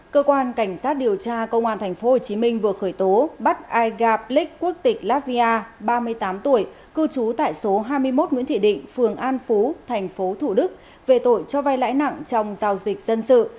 cơ quan cảnh sát điều tra công an tp hcm vừa khởi tố bắt aiga plux quốc tịch latvia ba mươi tám tuổi cư trú tại số hai mươi một nguyễn thị định phường an phú tp thủ đức về tội cho vay lãi nặng trong giao dịch dân sự